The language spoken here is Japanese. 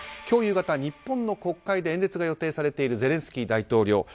今日夕方、日本で演説が予定されているゼレンスキー大統領。